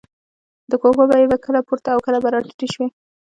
د کوکو بیې به کله پورته او کله به راټیټې شوې.